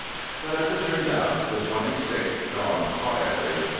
But, as it turned out, the 26th dawned quietly.